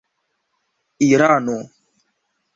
irano